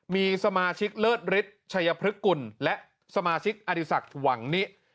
มีสมาชิกเลิศฤทธิ์ชัยพฤกุลและสมาชิกอดีศักดิ์หวังนิ